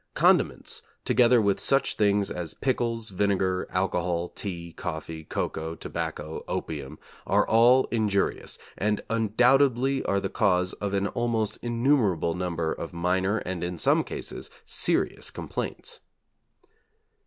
Condiments, together with such things as pickles, vinegar, alcohol, tea, coffee, cocoa, tobacco, opium, are all injurious, and undoubtedly are the cause of an almost innumerable number of minor, and, in some cases, serious, complaints.